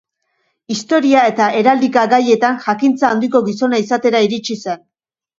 Historia eta heraldika-gaietan jakintza handiko gizona izatera iritsi zen.